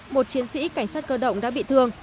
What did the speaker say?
một chiến sĩ cảnh sát cơ động đã bị thương